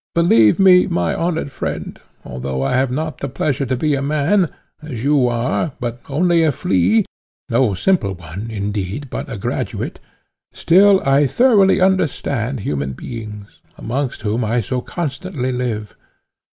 Believe me, my honoured friend, although I have not the pleasure to be a man, as you are, but only a flea no simple one, indeed, but a graduate, still I thoroughly understand human beings, amongst whom I so constantly live.